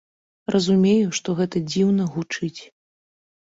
Разумею, што гэта дзіўна гучыць.